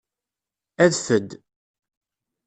Adef-d.